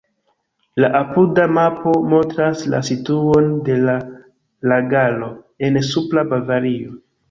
La apuda mapo montras la situon de la lagaro en Supra Bavario.